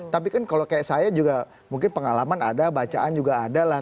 tapi kan kalau kayak saya juga mungkin pengalaman ada bacaan juga ada lah